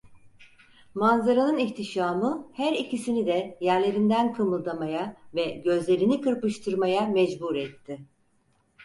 Manzaranın ihtişamı her ikisini de yerlerinden kımıldamaya ve gözlerini kırpıştırmaya mecbur etti.